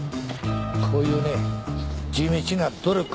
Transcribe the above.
こういうね地道な努力